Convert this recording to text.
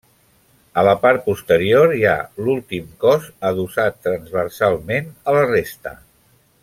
A la part posterior hi ha l'últim cos adossat transversalment a la resta.